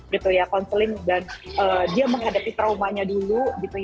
dan dia menghadapi traumanya dulu